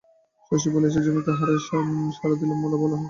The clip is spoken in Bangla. শশী বলিয়াছে, জমিতে হাড়ের সার দিলে মূলা ভালো হয়।